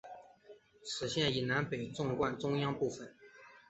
此线以南北纵贯中央部分。